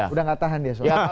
udah gak tahan di eson